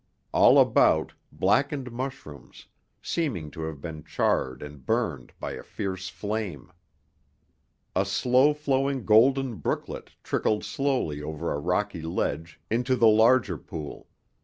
All about, blackened mushrooms, seeming to have been charred and burned by a fierce flame. A slow flowing golden brooklet trickled slowly over a rocky ledge, into the larger pool.